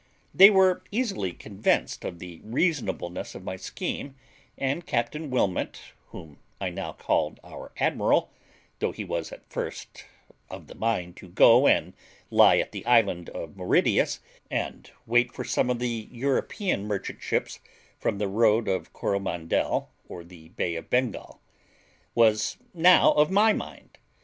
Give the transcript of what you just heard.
They were easily convinced of the reasonableness of my scheme; and Captain Wilmot, whom I now called our admiral, though he was at first of the mind to go and lie at the island Mauritius, and wait for some of the European merchant ships from the road of Coromandel, or the Bay of Bengal, was now of my mind.